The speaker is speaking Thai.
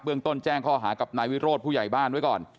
ต้นแจ้งข้อหากับนายวิโรธผู้ใหญ่บ้านไว้ก่อน